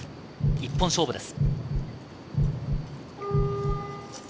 一本勝負です。